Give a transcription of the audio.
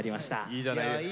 いいじゃないですか。